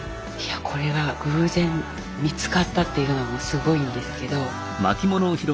これが偶然見つかったっていうのもすごいんですけど。